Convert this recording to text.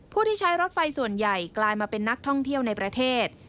ผู้ที่ใช้รถไฟส่วนใหญ่กลายมาเป็นนักท่องเที่ยวในประเทศ